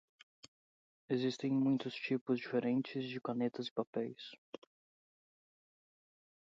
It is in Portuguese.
Existem muitos tipos diferentes de canetas e papéis.